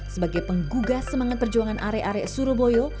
sebagai penggugah semangat perjuangan arek arek surabaya